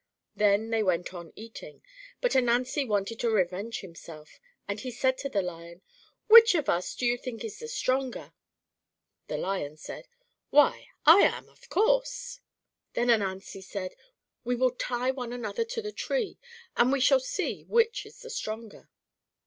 Then they went on eating, but Ananzi wanted to revenge himself, and he said to the Lion, "Which of us do you think is the stronger?" The Lion said, "Why, I am, of course." Then Ananzi said, "We will tie one another to the tree, and we shall see which is the stronger."